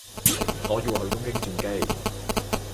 我要去東京轉機